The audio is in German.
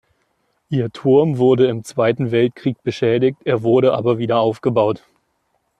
Ihr Turm wurde im Zweiten Weltkrieg beschädigt, er wurde aber wieder aufgebaut.